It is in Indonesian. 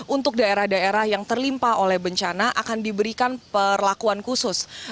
untuk daerah daerah yang terlimpa oleh bencana akan diberikan perlakuan khusus